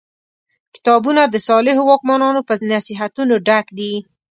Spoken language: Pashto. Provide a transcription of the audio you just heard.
کتابونه د صالحو واکمنانو په نصیحتونو ډک دي.